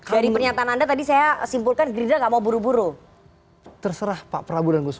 dari pernyataan anda tadi saya simpulkan gerindra gak mau buru buru terserah pak prabowo dan gus